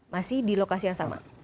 masih di lokasi yang sama